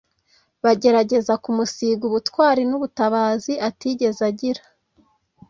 bagerageza kumusiga ubutwari n'ubutabazi atigeze agira!